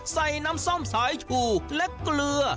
ใส่น้ำส้มสายชูและเกลือ